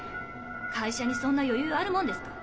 会社にそんな余裕あるもんですか。